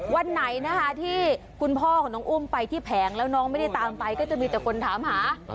วันไหนนะคะที่คุณพ่อของน้องอุ้มไปที่แผงแล้วน้องไม่ได้ตามไปก็จะมีแต่คนถามหา